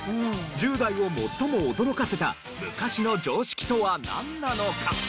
１０代を最も驚かせた昔の常識とはなんなのか？